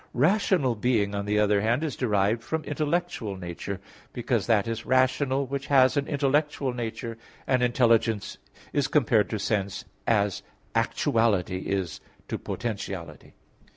Rational being, on the other hand, is derived from intellectual nature, because that is rational, which has an intellectual nature, and intelligence is compared to sense, as actuality is to potentiality.